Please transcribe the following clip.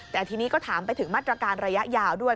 แต่ทีนี้ก็ถามไปถึงมาตรการระยะยาวด้วย